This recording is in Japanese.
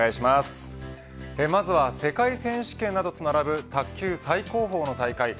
まずは世界選手権などと並ぶ卓球最高峰の大会